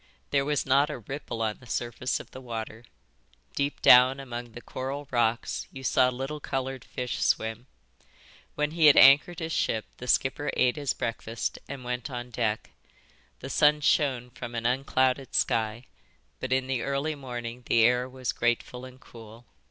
There was not a ripple on the surface of the water. Deep down among the coral rocks you saw little coloured fish swim. When he had anchored his ship the skipper ate his breakfast and went on deck. The sun shone from an unclouded sky, but in the early morning the air was grateful and cool.